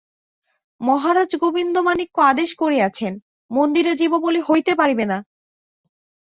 মহারাজ গোবিন্দমাণিক্য আদেশ করিয়াছেন, মন্দিরে জীববলি হইতে পারিবে না।